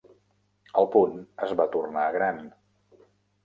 El punt es va tornar gran.